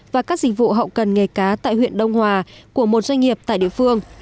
và các dịch vụ hậu cần nghề cá tại huyện đông hòa của một doanh nghiệp tại địa phương